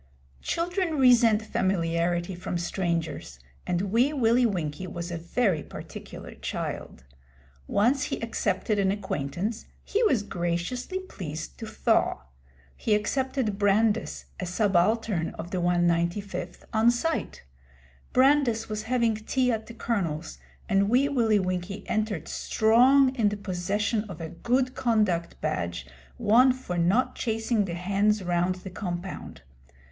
Children resent familiarity from strangers, and Wee Willie Winkie was a very particular child. Once he accepted an acquaintance, he was graciously pleased to thaw. He accepted Brandis, a subaltern of the 195th, on sight. Brandis was having tea at the Colonel's, and Wee Willie Winkie entered strong in the possession of a good conduct badge won for not chasing the hens round the compound.